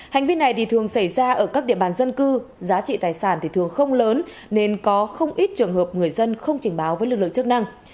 cái gì cũng xảy ra ở các địa bàn dân cư giá trị tài sản thì thường không lớn nên có không ít trường hợp người dân không trình báo với lực lượng chức năng